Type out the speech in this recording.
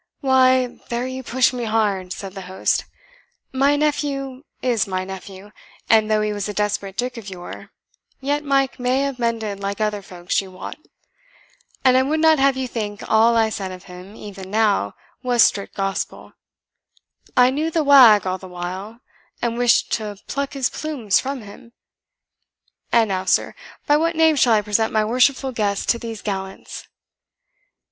"Why, there you push me hard," said the host; "my nephew is my nephew, and though he was a desperate Dick of yore, yet Mike may have mended like other folks, you wot. And I would not have you think all I said of him, even now, was strict gospel; I knew the wag all the while, and wished to pluck his plumes from him. And now, sir, by what name shall I present my worshipful guest to these gallants?"